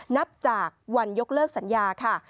นับจากวันยกเลิกสัญญาค่ะ